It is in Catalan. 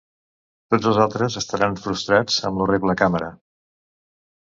Tots els altres estaran frustrats amb l'horrible càmera.